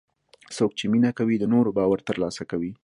څوک چې مینه کوي، د نورو باور ترلاسه کوي.